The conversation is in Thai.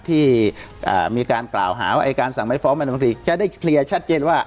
ที่มีการกล่าวหาว่าอายการสังภัยฟ้องมันมนุษย์ฯจะได้เคลียร์ชัดเจนว่า